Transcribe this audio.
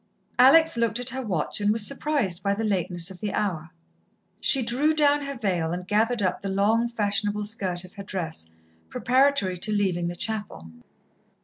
Alex looked at her watch, and was surprised by the lateness of the hour. She drew down her veil, and gathered up the long, fashionable skirt of her dress, preparatory to leaving the chapel.